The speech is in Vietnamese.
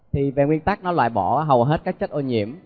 thì về nguyên tắc nó loại bỏ hầu hết các chất ô nhiễm